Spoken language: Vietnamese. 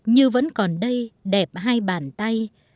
như vẫn còn đây đẹp hai bàn tay